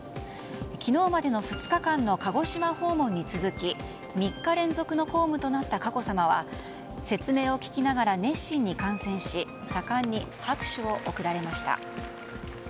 昨日までの２日間の鹿児島訪問に続き３日連続の公務となった佳子さまは、説明を聞きながら熱心に観戦し盛んに拍手を送られました。